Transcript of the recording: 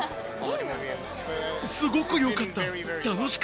すごくよかった。